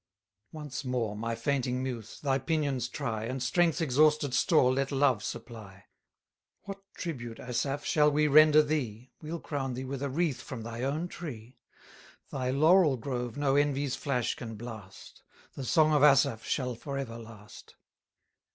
Once more, my fainting muse! thy pinions try, And strength's exhausted store let love supply. What tribute, Asaph, shall we render thee? We'll crown thee with a wreath from thy own tree! 1040 Thy laurel grove no envy's flash can blast; The song of Asaph shall for ever last.